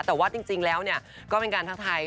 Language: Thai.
แต่ว่าจริงแล้วก็เป็นการทักทาย